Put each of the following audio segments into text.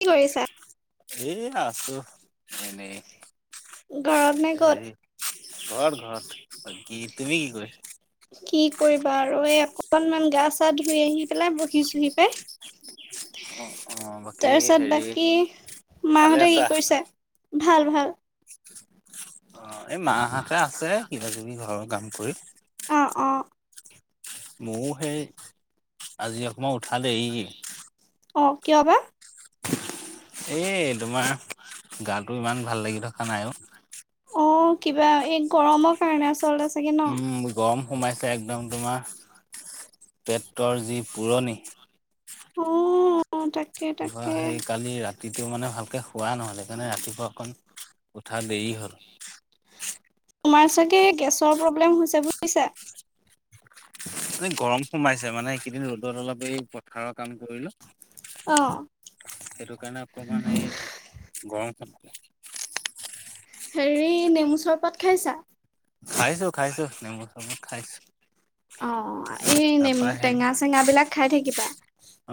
কি কৰিছা? [unintelligible] আছো এনেই ঘৰত নে ক'ত? হেৰি ঘৰত-ঘৰত। বাকি তুমি কি কৰিছা? কি কৰিবা আৰু এই অকনমান গা চা ধুই আহি পেলাই বহিচোহি পাই। অ', অ', বাকী তাৰপিছত হেৰি বাকী ভালে মাহঁতে কি আছা? কৰিছে? ভাল। ভাল। অ' এই মাহাতে আছে কিবা কিবি ঘৰৰ কাম কৰি। অ'। ময়ও সেই আজি অকমান উঠালে এই অ' কিয় বা? এ তোমাৰ গাটো ইমান ভাল লাগি থকা নাইও। অ' কিবা এই গৰমৰ কাৰণে আচলতে চাগে ন? উম গৰম সোমাইছে একদম তোমাৰ। পেটতো আৰু যি পোৰণি। অ'। তাকে প তাকে। সেই কালি ৰাতিটো মানে ভালকে শুৱা নহল সেইকাৰণে ৰাতিপুৱা অকণ উঠাত দেৰি হ'ল। তোমাৰ চাগে গেছৰ প্ৰব্লেম হৈছে বুজিছা। এ গৰম সোমাইছে মানে এইকেইদিন ৰ'দত অলপ এই পথাৰৰ কাম কৰিলো। অ' সেইটো কাৰণে অকমান এই গৰম হেৰি, নেমু চৰপাত খাইছা? খাইছো খাইছো নেমুৰ চৰপত খাইছো। অ' এই নেম তাৰপা সেই টেঙা চেঙা বিলাক খাই থাকিবা।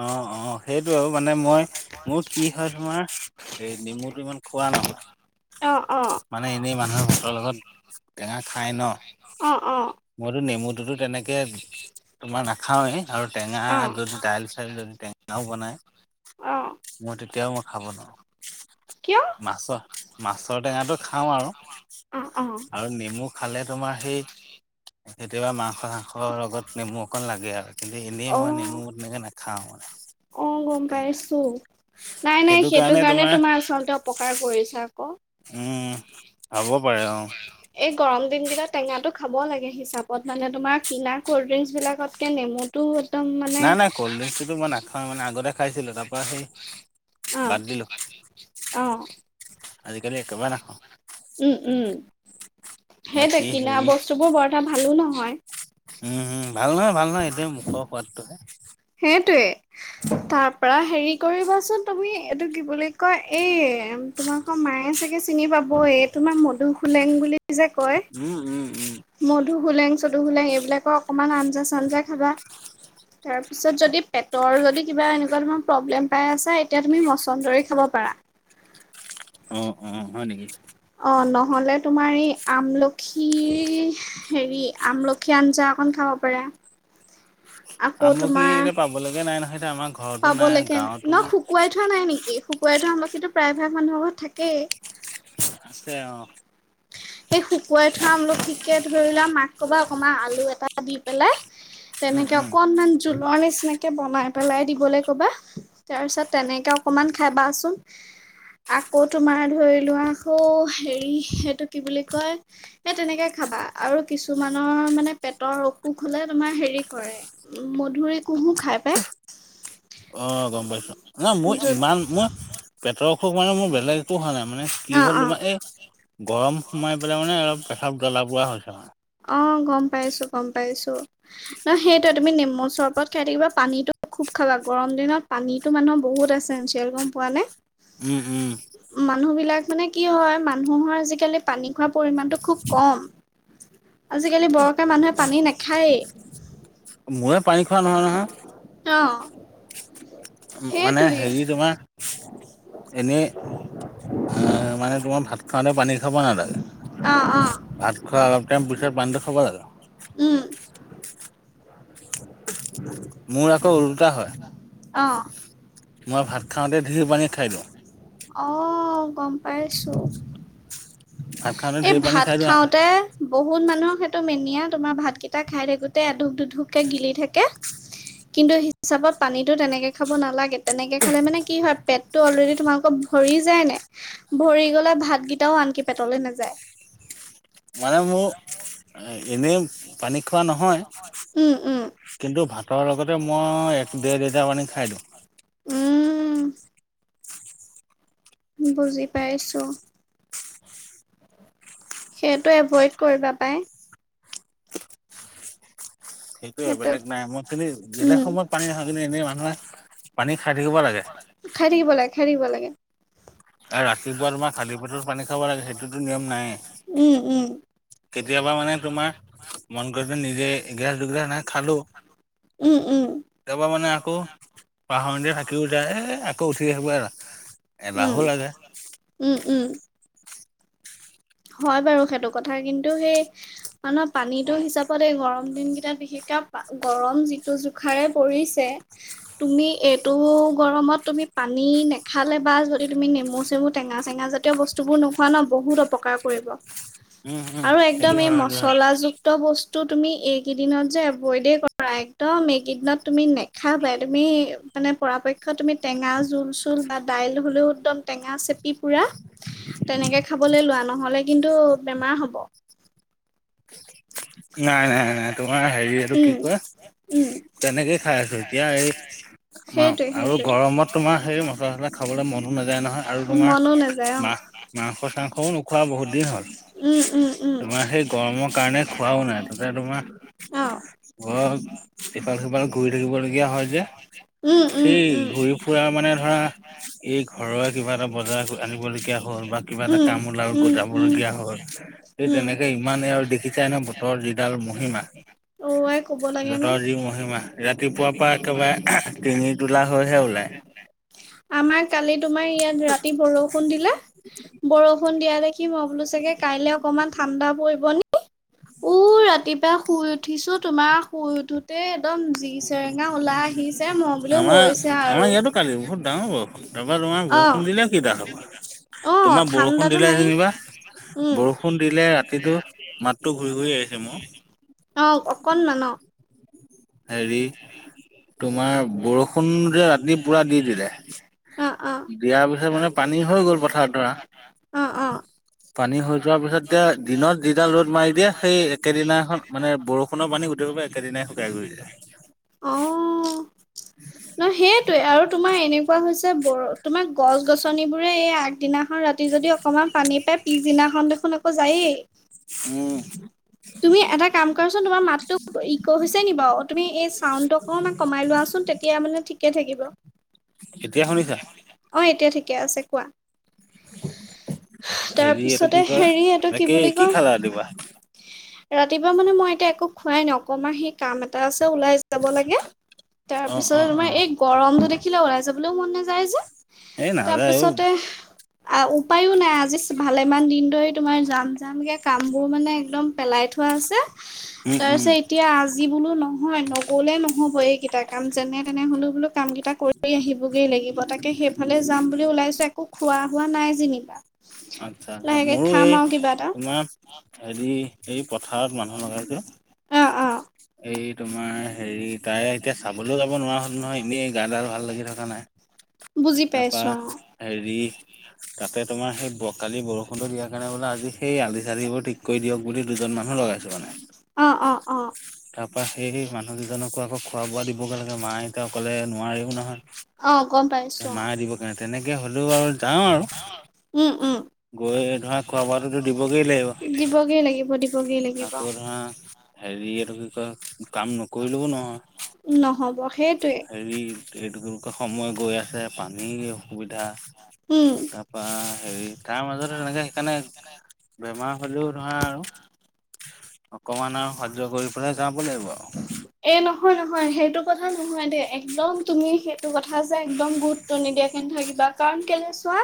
অ', অ', সেইটো আৰু মানে মই মোৰ কি হয় তোমাৰ এই নেমুটো ইমান খোৱা নহয়। অ' অ' মানে এনেই মানুহৰ ভাতৰ লগত টেঙা খাই ন'। উম উম। মইতো নেমুটোতো তেনেকে তোমাৰ নাখাওৱেই আৰু টেঙা অ' যদি দাইল চাইল যদি টেঙাও বনাই। অ' মই তেতিয়াও মই খাব নোৱাৰো। কিয়? মাছৰ মাছৰ টেঙাটো খাওঁ আৰু। অ' অ' আৰু নেমু খালে তোমাৰ সেই কেতিয়াবা মাংস চাংসৰ লগত নেমু অকণ লাগে আৰু কিন্তু এনেই মই অ' নেমু তেনেকৈ নাখাওঁ মানে। অ' গম পাই টেঙা আছো। নাই নাই সেইটো কাৰণে তোমাৰ আচলতে অপকাৰ কৰিছে আকৌ। উম হব পাৰে অ'। এই গৰম দিনকেইটা টেঙাটো খাব লাগে হিচাপত মানে তোমাৰ কিনা ক'ল্ড ড্ৰিংকচবিলাকতকৈ নেমুটো একদম মানে নাই নাই কল্ড ড্ৰিংকটোতো মই নাখাওঁ মানে আগতে খাইছিলো তাৰ পৰা সেই অ বাদ দিলো। অ'। আজিকালি একবাৰে নাখাওঁ। উম', উম', বাকী সেইটোৱেই, কিনা হেৰি বস্তুবোৰ বৰএটা ভালো নহয় উম', উম', ভাল নহয়, ভাল নহয়, এইটো মুখৰ সোৱাদটোহে। সেইটোয়ে, তাৰ পৰা হেৰি কৰিবাচোন তুমি এইটো কি বুলি কয়, এই তোমালোকৰ মায়ে চাগে চিনি পাব, এই তোমাৰ মধু সোলেং বুলি উম', উম', উম' মধু সোলেং, চদু সোলেং, এইবিলাকৰ অকণমান আঞ্জা চাঞ্জা খাবা। তাৰ পিছত যদি পেটৰ যদি কিবা এনেকুৱা তোমাৰ প্ৰব্লেম পাই আছা, এতিয়া তুমি মছনদৰী খাব পাৰা। অ', অ', হয়', নেকি। অ', নহ'লে তোমাৰ এই আমলখি, হেৰি আমলখি আঞ্জা খন খাব পাৰা। আকৌ আমলখি তোমাৰ, এতিয়া পাবলৈকে নাই নহয় এতিয়া আমাৰ ঘৰতো পাবলেকে নাই, গাঁৱতো ন শুকুৱাই থোৱা নাই নেকি? শুকুৱাই থোৱা আমলখিতো প্ৰায়ভাগ মানুহ ঘৰত থাকেই। আছে অ' সেই শুকুৱাই থোৱা আমলখিকে ধৰি লোৱা মাক ক'বা অকণমান আলু এটা দি পেলাই উম, তেনেকে উম, অকনমান জুলৰ নি সেনেকে বনাই পেলাই দিবলে ক'বা, তাৰপিছত তেনেকে অকণমান খাবাচোন আকৌ তোমাৰ ধৰি লোৱা আকৌ, হেৰি কি বুলি কয়, সেই তেনেকে খাবা। আৰু কিছুমানৰ মানে পেটৰ অসুখ হলে তোমাৰ হেৰি কৰে মধুৰি, কুহো খাই পায়। অ' গম পাইছো, নহয় মোৰ ইমান মোৰ পেটৰ অসুখ মানে মোৰ বেলেগ একো হোৱা নাই মানে কি অ হ'ল অ তোমাৰ এ' গত গৰম সোমাই পেলাই মানে অলপ প্ৰসাৱ জ্বলা পোৱা হৈছে মানে। নহয় সেইটোৱে তুমি নেমু চৰবত খাই থাকিবা, পানীতো খুব খাবা, গৰম দিনত পানীতটো মানুহৰ ব হুত এছেনঞ্চিয়েল গম পোৱা নে? উম, উম, মানুহ বিলাক মানে কি হয়, মানুহৰ আজিকালি পানী খোৱা পৰিমাণটো খুব কম, আজিকালি বৰ কে মানুহে পানী নাখাইয়ে, মূৰে পানী খোৱা নহয় নহয়। অ' মানে সেইটোৱে হেৰি তোমাৰ এনেই অ' মানে তোমাৰ ভাত খাতে পানী খাব নালাগে, অ অ ভাত খোৱা অলপ টাইম পিছত পানীটো খাব লাগে। উম, মোৰ আকৌ উলোটা হয়। অঁ' মই ভাত খাওঁতে ধেৰ পানী খাই দিও অ' গম পাইছো। ভাত খাওঁতে এই ধেৰ পানী ভাত খাই দিওঁ খাওঁতে, বহুত মানুহক সেইটো মে নিয়া তোমাৰ ভাত কেইটা খাই থাকোতে এটোপ দুটোপকে গিলি থাকে। কিন্তু হিচাপত পানীটো তেনেকে খাব নালাগে, তেনেকে খালে মানে কি হয় পেট অলৰেডি তোমালোকৰ ভৰি যায় নাই? ভৰি গলে ভাতকেইটাও আনকি পেটলে নাযায়। মানে মোৰ এনেই পানী খোৱা নহয় উম, উম, কিন্তু ভাতৰ লগতে মই এক ডেৰ লিটাৰ পানী খাই দিওঁ। উম' বুজি পাইছো। সেইটো এভইড কৰিবা পায়। সেইটোয়ে সেইটো বেলেগ নাই মই কিন্তু বেলেগ উম, সময়ত পানী নাখাওঁ কিন্তু এনেই মানুহে খাই থাকিব লাগে, খাই থাকিব লাগে। আৰু ৰাতিপুৱা তোমাৰ খালী পেটত পানী খাব লাগে, সেইটোতো নিয়ম নাইয়ে। উম, উম, কেতিয়াবা মানে তোমাৰ মন গৈছে নিজে এগিলাছ দুগিলাছ এনেকে খালো। উম, উম, কেতিয়াবা মানে আকৌ পাহনিতেই থাকিও যায়, এ আকৌ উঠি আহিব আৰু উম, এলাহো লাগে। উম, উম। হয় বাৰু সেইটো কথা, কিন্তু সেই মানুহ পানীতো হিচাপত এই গৰম দিনকেইটা বিশেষকৈ এতিয়া গৰম যিটো জোখাৰে পৰিছে, তুমি এইটো গৰমত তুমি পানী নেখালে বা যদি তুমি নেমু-চেমু টেঙা- চেঙা জাতীয় বস্তু বোৰ নোখোৱা ন বহুত অপকাৰ কৰিব। উম উম আৰু একদম সেইটো এই হয় সেইটো হয় মচলাযুক্ত বস্তু টো তুমি এইকেইদিনত যে এভইডে কৰা, একদম এইকেইদিনত তুমি নেখাবাই তুমি মানে পৰাপক্ষত তুমি টেঙা জোল-চোল বা দাইল হ'লেও একদম টেঙা চেপি পুৰা। তেনেকৈ খাবলৈ লোৱা নহ'লে কিন্তু বেমাৰ হ'ব। নাই, নাই, নাই তোমাৰ হেৰি এইটো কি উম, কয়? উম, তেনেকেই খাই আছো, এতিয়া এই সেইটোৱে আৰু সেইটোৱে গৰমত তোমাৰ সেই মছলা-চছলা খাবলৈ মনো নাযায় নহয় আৰু তোমাৰ মনো নাযায় অ, মা মাংস-চাংসও নোখোৱা বহুত দিন হ'ল, উম, উম, উম, তোমাৰ সেই গৰমৰ কাৰণে। খোৱাও নাই তাতে তোমাৰ অ, ঘৰৰ ইফাল-সিফাল কৰি থাকিব লগীয়া হয় যে। উম, উম, সেই উম, ঘূৰি ফুৰা মানে ধৰা এই ঘৰয়ে কিবা এটা বজাৰ আনিবলগীয়া হয়। হ'ল বা কিবা এটা উম, কাম ওলাল উম, উম, জাবলগীয়া হ'ল, সেই উম, তেনেকে ইমানেই আৰু দেখি নে বতৰ যিডাল মহিমা। অ, আই ক'ব লাগে নে? বতৰ যি মহিমা ৰাতিপুৱাৰ পৰা একেবাৰে টিঙিৰি-তোলা হৈহে ওলায়। আমাৰ কালি তোমাৰ ইয়াত ৰাতি বৰষুণ দিলে, বৰষুণ বৰষূণ দিয়া দেখি মই বোলো চাগে কাইলে অকনমান ঠাণ্ডা পৰিব নেকি। উ, ৰাতিপুৱা শুই উঠিছো, তোমাৰ শুই উঠোতে একদম জি চেৰেঙা ওলাই আহিছে, মই বুলো আমাৰ হৈছে আৰু। ৰাবা তোমাৰ অ, বৰষুণ দিলে কি দাল হ'ব। অ, তোমাক বৰষুণ ঠাণ্ডাতো দিলে, নাই যেনিবা উম, বৰষুণ দিলে কিন্তু মাতটো ঘূৰি, ঘূৰি আহিছে মোৰ। অ, অকনমান অ, হেৰি তোমাৰ বৰষু সুন যে ৰাতি পুৰা দি দিলে, অ, অ, দিয়াৰ পিছত মানে পানী হৈ গ'ল পথাৰত ধৰা। অ, অ'। পানী হৈ যোৱাৰ পিছত এতিয়া দিনত যিডাল ৰ'দ মাৰি দিয়ে, সেই একেদিনাখন মানে বৰষুণৰ পানী গোটেই একেদিনাই শুকাই গুচি যায়। অ ন সেইটোৱে আৰু তোমাৰ এনেকুৱা হৈছে, ব তোমাৰ গছ-গছনিবোৰে এই আগদিনাখন ৰাতি যদি অকমান পানী পাই, পিছদিনাখন দেখোন আকৌ যায়েই। উম, তুমি এটা কাম কৰাচোন, তোমাৰ মাতটো ইক হৈছে নি বাৰু তুমি এই চাউণ্ডটো অকমান কমাই লোৱাচোন। তেতিয়া মানে ঠিকে থাকিব। এতিয়া শুনিছা? অ এতিয়া ঠিকে আছে কোৱা? [unintelligible] হেৰি এইটো তাৰপিছতে কি কয়, হেৰি এইটো বুলি তাকেই কি কয় খালা ৰাতিপুৱা? ৰাতিপুৱা মানে মই এতিয়া একো খোৱাই অকমান সেই কাম এটা আছে। ওলাই যাব লাগে, তাৰ অ', পিছত অ', অ'। তোমাৰ এই গৰমটো দেখিলে ওলাই যাবলৈও মন নাযায় যে। এই নাযায় অ'। তাৰপিছতে অ', উপায়ো নাই আজি ভালেমান দিন ধৰি তোমাৰ জাম, জামকে কাম বোৰ মানে একদম পেলাই থ থোৱা আছে। উম, তাৰ উম, পিছত এতিয়া আজি বোলো নহয়, নগলে নহব এইকেইটা কাম যেনে তেনে হ'লেও কাম কেইটা কৰি আহিবগৈ লাগিব, তাকে সেইফালে যাম বুলি ওলাইছো একো খোৱা হোৱা নাই যেনিবা। আচ্ছা, আচ্ছা লাহেকে মোৰো খাম এই আৰু কিবা এটা তোমাৰ হেৰি এই পথাৰত মানুহ লগাইছো। অ অ এই তোমাৰ হেৰি তাই এতিয়া চাবলৈও যাব নোৱাৰা হ'ল নহয় এনেই গা ডাল আৰু ভাল লাগি থকা নাই। বুজি তাৰপা পাইছো হেৰি তাতে তোমাৰ সেই কালি বৰষুণতটো দিয়া কাৰণে বোলে আজি সেই আলি চালিবোৰ ঠিক কৰি দিয়ক বুলি দুজন মানুহ লগাইছো মানে। অ অ অ অ তাৰ পৰা সেই মানুহ দুজনকো আকৌ খোৱা বোৱা দিবগৈ লাগে, মা এতিয়া অকলে নোৱাৰাৰেও নহয়। অ' গ'ম পাই। মাৰ দিবৰ কাৰণে তেনেকে হ'লেও আৰু যাওঁ উম উম আৰু। গৈ ধৰা খোৱা বোৰতো দিবগৈ লাগিব। দিবগেই লাগিব দিবগেই লাগিব আকৌ ধৰা হেৰি এটো কি কয় কাম নকৰিলেও নহয়। নহ'ব সেইটোৱে হেৰি এটো কি বুলি কয়, সময় গৈ আছে পানীৰ অসুবিধা। উম তাৰাপা হেৰি তাৰ মাজত তেনেকে সেইকাৰণে। বেমাৰ হ'লেও নহয় আৰু। অকমাণ সয্য কৰি পেলাই যাব লাগিব আৰু। হয় সেইটো কথা নহয় দে একদম তুমি সেইটো কথা যে একদম গুৰুত্ব নিদিয়া নাথাকিবা, কাৰণ কাৰণ কেলে ছোৱা।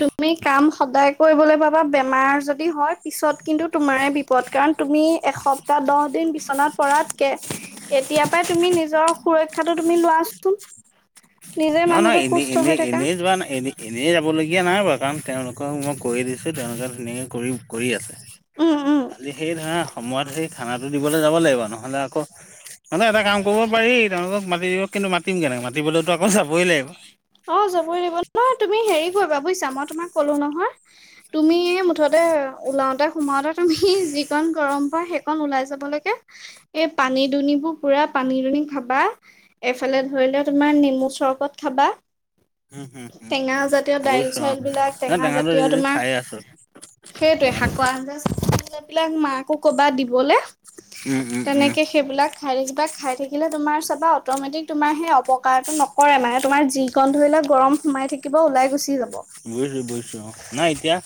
তুমি কাম সদায় কৰিবলৈ পাবা। বেমাৰ যদি হয়, পিছত কিন্তু তোমাৰে বিপদ, কাৰণ তুমি এসপ্তাহ দহ দিন বিচনাত পৰাতকে এতিয়াৰ পৰাই তুমি নিজৰ সুৰক্ষাটো। তুমি লোৱাছোন। [unintelligible] নহ নহয় এনেই এনেই থাকা এনেই যোৱা নাই এনে এনেই যাবলগীয়া নাই বাৰু কাৰণ তেওঁলোকক মই কৈ দিছো তেওঁলোকে ধুনীয়াকে কৰি কৰি আছে, উম উম খালি সেই ধৰ সময়ত সেই খানা দিবলে যাব লাগিব নহ'লে আকৌ। মানে এটা কাম কৰিব পাৰি তেওঁলোকক মাতি দিব কিন্তু মাতিম কেনেক মাতিলৈতো। অ' যাবই লাগিব ন তুমি হেৰিত। [unintelligible] কৰিবা বুজিছা, মই তোমাক কলো নহয় তুমি মুঠতে ওলাওতে সোমাওতে তুমি যিকণ গৰম পোৱা, সেইকণ ওলাই যাব লাগে, এই পানী দুনিবোৰ পুৰা পানী দুনি খাবা। এফালে ধৰিলোৱা তোমাৰ নেমু চৰপত খাবা। উম হুম হুম টেঙাজাতীয় দাইল বুজিছোঁ অ চাইলবিলাক নাই টেঙাটো টেঙাজাতীয় এই তোমাৰ। খাই আছোঁ সেইটোৱে টেঙাটো খা শাকোৱ যে [unintelligible] মাক [unintelligible] উম উম উম তেনেকে সেইবিলাক খাইযাবা খাই থাকিলে তোমাৰ। তাৰপা অট'মেটিক তোমাৰ সেই অপকাৰটো নকৰে। নকৰে, মানে তোমাৰ যিকণ ধৰি লোৱা গৰম সোমাই থাকিব ওলাই গুচি যাব। বুজিছো, বুজিছো, অ' নাই এতিয়া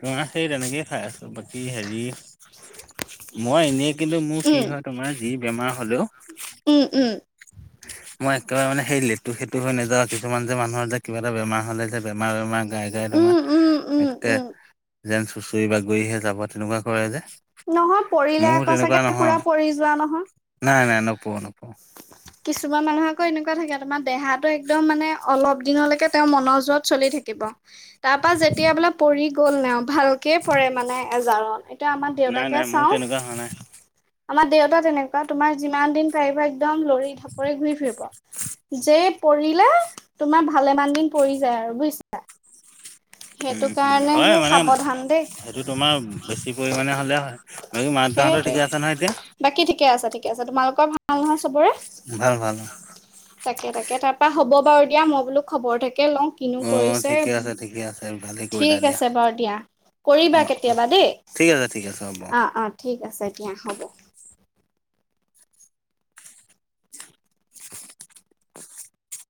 তোমাৰ। সেই তেনেকেই খাই আছোঁ বাকী হেৰি মই এনেই। কিন্তু মোৰ কি উম হয় তোমাৰ যি বেমাৰ হ'লেও। উম, উম, মই একেবাৰে মানে সেই লেতু সেতু হৈ নাযাওঁ। কিছুমান যে মানুহৰ যে কিবা এটা বেমাৰ হ'লে যে বেমাৰ বেমাৰ গাই গাই উম, উম, তোমাৰ উম, একে উম, যেন চুচৰি বাগৰিহে যাব তেনেকুৱা কৰে যে। নহয় পৰিলে মোৰ আকৌ তেনেকুৱা চাগে নহয় পোৰা পৰি যোৱা নহয়। নাই নাই নপৰো নপৰো। কিছুমান মানুহ আকৌ এনেকুৱা থাকে তোমাৰ দেহাটো একদম মানে অলপ দিনলৈকে তেওঁৰ মনৰ জোৰত চলি থাকিব। তাৰপা যেতিয়া বোলে পৰি গ'ল ন ভালকে পৰে মানে এজাৰন এতিয়া আমাৰ দেউতা। নাই নাই মোৰ তেনেকুৱা হোৱা নাই। আমাৰ দেউতা তেনেকুৱা তোমাৰ যিমান দিন টাইফেট একদম লৰি ঢাপৰি ঘূৰি ফুৰিব, যে পৰিলে তোমাৰ ভালেমান দিন পৰি যায় আৰু বুজিছা। উম, সেইটো উম, কাৰণে হয় সেই মানে। সাৱধান দেই। সেইটো তোমাৰ বেছি পৰিমাণে হ'লে হয়, বাকী মা দেউতাহঁতৰ সেইটোৱে ঠিকে আছে নহয়, এতিয়া? বাকী ঠিকে আছে, ঠিকে আছে। তোমালোকৰ ভাল নহয় চবৰে ভাল ভাল তাকে তাকে তাৰপা। হ'ব বাৰু দিয়া মই বোলো খবৰ এটাকে লওঁ কিনো অ কৰিছে। ঠিকে আছে ঠিকে আছে ভালেই কৰিলা ঠিক দিয়া আছে বাৰু দিয়া অ কৰিবা কেতিয়াবা দেই ঠিক আছে ঠিক আছে হ'ব অ অ ঠিক আছে দিয়া হ'ব